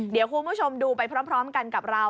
เดี๋ยวคุณผู้ชมดูไปพร้อมกันกับเรา